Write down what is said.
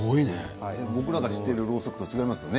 僕らが知っているろうそくとは違いますね。